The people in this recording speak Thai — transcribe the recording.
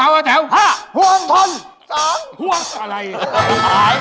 ๒อะไร